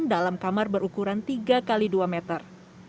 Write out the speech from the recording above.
dalam kamar berukuran tiga x dua meter